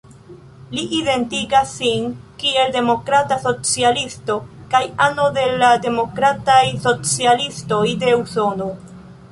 Li identigas sin kiel demokrata socialisto kaj ano de la Demokrataj Socialistoj de Usono.